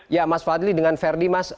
ya mas fadli dengan verdi mas